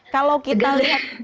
kalau kita lihat